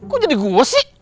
kok jadi gue sih